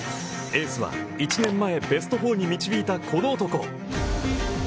エースは１年前ベスト４に導いたこの男。